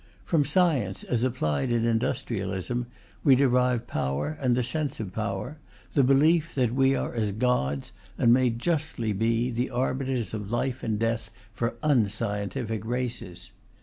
From science, as applied in industrialism, we derive power and the sense of power, the belief that we are as gods, and may justly be, the arbiters of life and death for unscientific races.